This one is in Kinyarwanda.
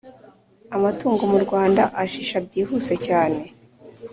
amatungo mu Rwanda ashisha byihuse cyane